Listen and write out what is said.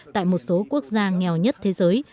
tại một số quốc gia nghèo nhất thế giới